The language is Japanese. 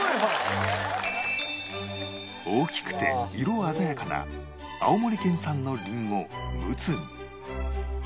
大きくて色鮮やかな青森県産のリンゴ陸奥に